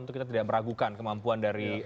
untuk kita tidak meragukan kemampuan dari